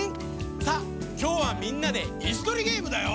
さあきょうはみんなでいすとりゲームだよ。